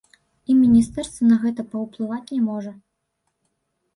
І міністэрства на гэта паўплываць не можа.